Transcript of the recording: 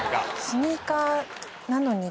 スニーカーなのに。